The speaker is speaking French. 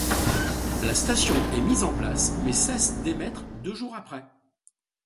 La station est mise en place mais cesse d'émettre deux jours après.